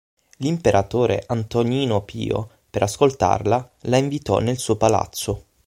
L'imperatore Antonino Pio, per ascoltarla, la invitò nel suo palazzo.